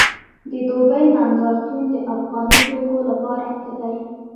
د دوبۍ نندارتون د افغاني توکو لپاره ښه دی